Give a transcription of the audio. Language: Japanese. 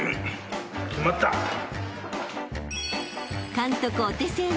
［監督お手製の］